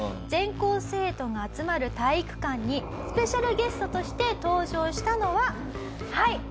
全校生徒が集まる体育館にスペシャルゲストとして登場したのははい。